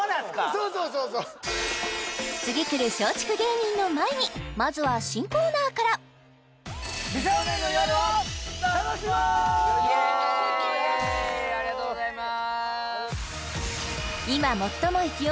そうそうそうそう次くる松竹芸人の前にイエーイありがとうございます